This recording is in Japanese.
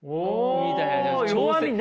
みたいな。